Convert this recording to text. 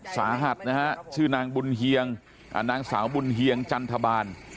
สาหัสนะฮะชื่อนางบุญเฮียงนางสาวบุญเฮียงจันทบาล